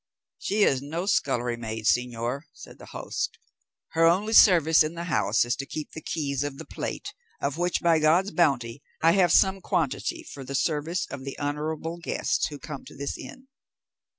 "She is no scullery maid, señor," said the host; "her only service in the house is to keep the keys of the plate, of which, by God's bounty, I have some quantity for the service of the honourable guests who come to this inn."